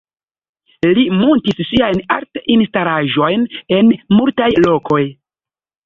Li muntis siajn art-instalaĵojn en multaj lokoj.